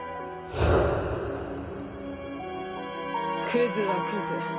クズはクズ。